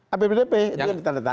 apbdp itu yang ditandatangan